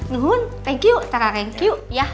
nahun thank you